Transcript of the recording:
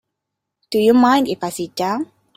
Do you mind if I sit down?